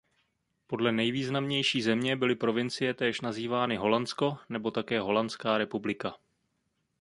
Podle nejvýznamnější země byly provincie též nazývány Holandsko nebo také Holandská republika.